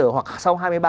hoặc sau hai mươi ba h